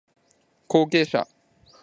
後継者